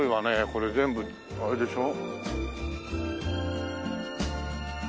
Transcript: これ全部あれでしょ？